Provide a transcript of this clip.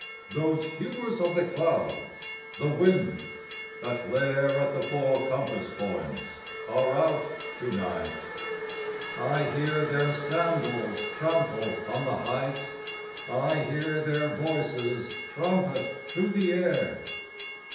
Those hewers of the clouds, the winds, that lair At the four compass points, are out to night; I hear their sandals trample on the height, I hear their voices trumpet through the air.